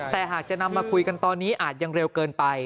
แต่หากจะนำมาคุยกันตอนนี้อาจยังเร็วเกินไป